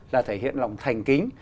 là thể hiện lòng thành kính